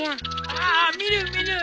ああ見る見る。